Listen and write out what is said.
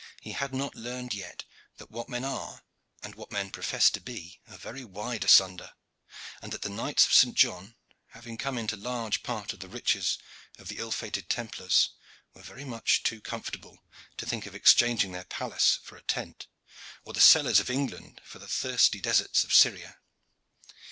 he had not learned yet that what men are and what men profess to be are very wide asunder, and that the Knights of St. John, having come into large part of the riches of the ill fated Templars, were very much too comfortable to think of exchanging their palace for a tent, or the cellars of England for the thirsty deserts of Syria.